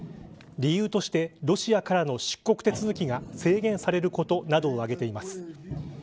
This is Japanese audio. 理由としてロシアからの出国手続きが制限されることなどを挙げています。